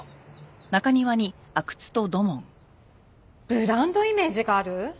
ブランドイメージがある？